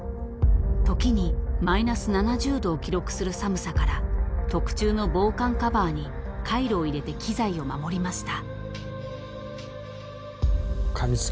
［時にマイナス７０℃を記録する寒さから特注の防寒カバーにカイロを入れて機材を守りました］